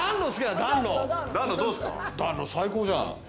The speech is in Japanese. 暖炉、最高じゃん！